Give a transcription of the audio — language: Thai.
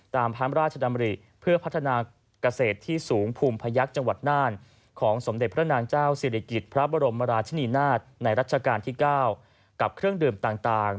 ตามพระราชดำริเพื่อพัฒนาเกษตรที่สูงภูมิพยักษ์จังหวัดน่านของสมเด็จพระนางเจ้าศิริกิจพระบรมราชนีนาฏในรัชกาลที่๙กับเครื่องดื่มต่าง